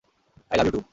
I love you two!